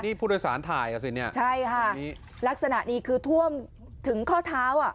นี่ผู้โดยสารถ่ายอ่ะสิเนี่ยใช่ค่ะลักษณะนี้คือท่วมถึงข้อเท้าอ่ะ